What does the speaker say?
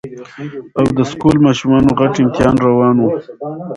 او د سکول ماشومانو غټ امتحان روان وو